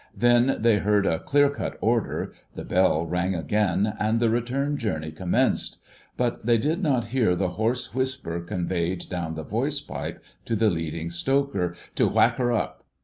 Then they heard a clear cut order, the bell rang again, and the return journey commenced; but they did not hear the hoarse whisper conveyed down the voice pipe to the Leading Stoker to "Whack her up!"